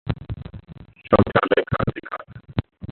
शौचालय का अधिकार